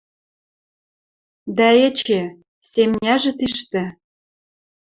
Дӓ эче — семняжӹ тиштӹ.